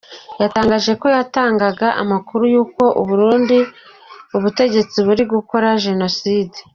Yatangaje ko yatangaga amakuru y’ uko mu Burundi ubutegetsi buri gukora genocide.